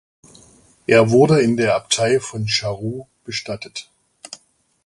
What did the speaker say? Er wurde in der Abtei von Charroux bestattet.